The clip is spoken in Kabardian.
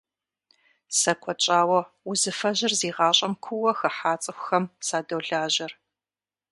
Сэ куэд щӏауэ узыфэжьыр зи гъащӏэм куууэ хыхьа цӏыхухэм садолажьэр.